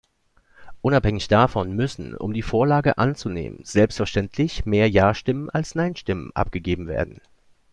Unabhängig davon müssen, um die Vorlage anzunehmen, selbstverständlich mehr „Ja“-Stimmen als „Nein“-Stimmen abgegeben werden.